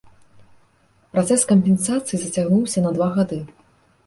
Працэс кампенсацыі зацягнуўся на два гады.